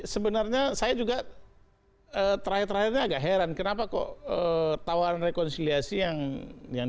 sebenarnya saya juga terakhir terakhirnya agak heran kenapa kok tawaran rekonsiliasi yang yang